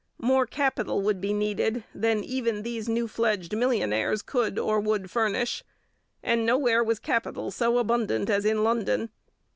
More capital would be needed than even these new fledged millionaires could or would furnish, and nowhere was capital so abundant as in London.